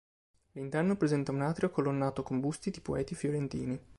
L'interno presenta un atrio colonnato con busti di poeti fiorentini.